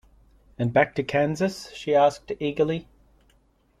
And back to Kansas? she asked, eagerly.